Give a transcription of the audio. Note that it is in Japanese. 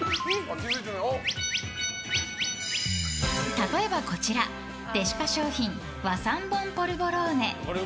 例えばこちらｄｅｓｉｃａ商品和三盆ポルボローネ。